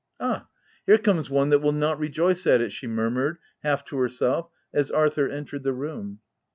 H Ah, here comes one that will not rejoice at it P' she murmured, half to herself, as Arthur entered the room.